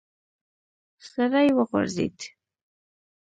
سړی وغورځېد.